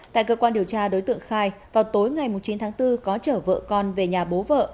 tại cơ quan điều tra đối tượng khai vào tối ngày chín tháng bốn có chở vợ con về nhà bố vợ